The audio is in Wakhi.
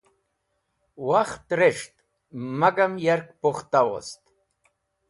Wakht res̃ht magam yark pukhta wost.